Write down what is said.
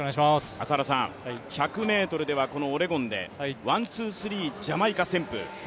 １００ｍではこのオレゴンでワン・ツー・スリージャマイカ旋風。